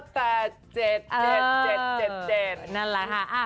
แปดเจ็ดเออเออแจ็ดแจ็ดแจ็ดนั่นแหละฮะอ่า